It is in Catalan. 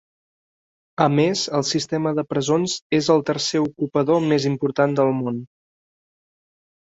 A més, el sistema de presons és el tercer ocupador més important del món.